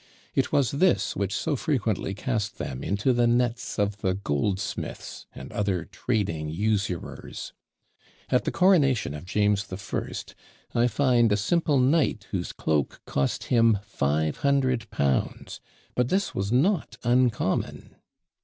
It was this which so frequently cast them into the nets of the "goldsmiths," and other trading usurers. At the coronation of James the First, I find a simple knight whose cloak cost him five hundred pounds; but this was not uncommon.